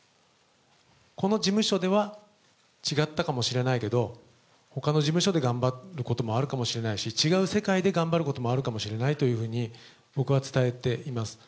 この事務所では違ったかもしれないけど、ほかの事務所で頑張ることもあるかもしれないし、違う世界で頑張ることもあるかもしれないというふうに僕は伝えています。